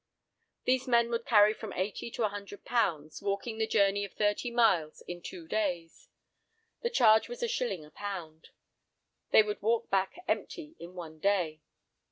These men would carry from eighty to a hundred pounds, walking the journey of thirty miles in two days. The charge was a shilling a pound. They would walk back "empty" in one day.